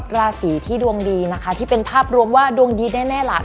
ราศีที่ดวงดีนะคะที่เป็นภาพรวมว่าดวงดีแน่ล่ะ